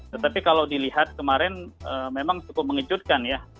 tetapi kalau dilihat kemarin memang cukup mengejutkan ya